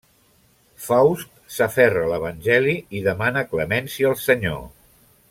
Faust s'aferra a l'Evangeli i demana clemència al Senyor.